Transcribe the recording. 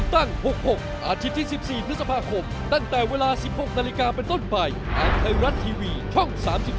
ตั้งแต่เวลาสิพวกนาฬิกาไปต่อไปอันเท่ารันทีวีช่อง๓๒